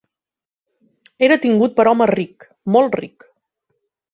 Era tingut per home ric, molt ric.